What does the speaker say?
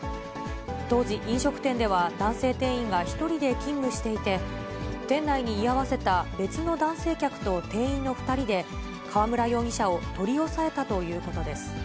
当時、飲食店では男性店員が１人で勤務していて、店内に居合わせた別の男性客と店員の２人で、河村容疑者を取り押さえたということです。